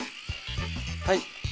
はい。